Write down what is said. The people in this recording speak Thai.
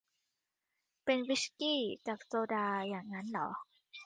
เป็นวิสกี้กับโซดาอย่างงั้นหรอ